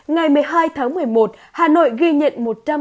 ngày một mươi hai tháng một mươi một hà nội ghi nhận